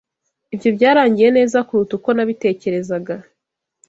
Ibyo byarangiye neza kuruta uko nabitekerezaga.